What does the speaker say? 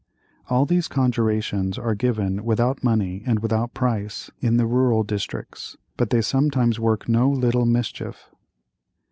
All these conjurations are given without money and without price in the rural districts, but they sometimes work no little mischief.